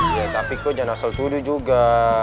iya tapi kok jangan asal tuduh juga